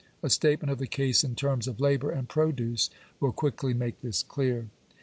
A statement of the case in terms of labour and produce will quickly make this clear.